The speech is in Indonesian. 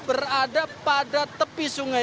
berada pada tepi sungai